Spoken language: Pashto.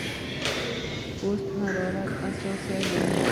پوست حرارت احساسوي.